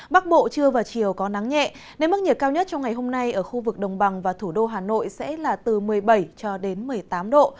bắc bộ trưa và chiều có nắng nhẹ nên mức nhiệt cao nhất trong ngày hôm nay ở khu vực đồng bằng và thủ đô hà nội sẽ là từ một mươi bảy cho đến một mươi tám độ